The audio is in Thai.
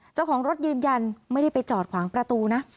เจ้าของรถยืนยันไม่ได้ไปจอดขวางประตูนะ